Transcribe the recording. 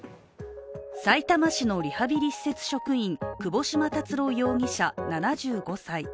さいたま市のリハビリ施設職員窪島達郎容疑者、７５歳。